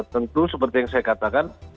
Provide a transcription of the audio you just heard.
tentu seperti yang saya katakan